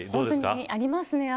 ありますね。